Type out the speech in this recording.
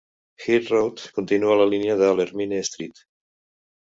Heath Road continua la línia de l'Ermine Street.